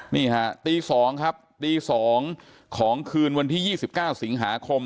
นี่ฮะตี๒ครับตี๒ของคืนวันที่๒๙สิงหาคม